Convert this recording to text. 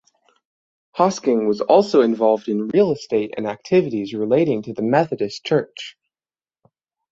Hosking was also involved in real estate and activities relating to the Methodist Church.